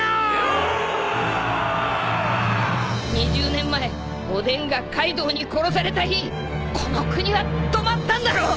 ２０年前おでんがカイドウに殺された日この国は止まったんだろ！？